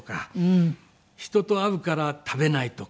人と会うから食べないとか。